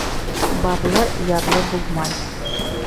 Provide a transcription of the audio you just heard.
Барлы ярлы булмай.